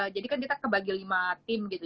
kan kita kebagi lima tim gitu